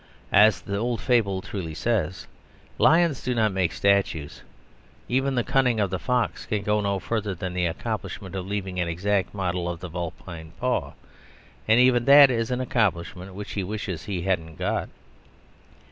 As the old fable truly says, lions do not make statues; even the cunning of the fox can go no further than the accomplishment of leaving an exact model of the vulpine paw: and even that is an accomplishment which he wishes he hadn't got.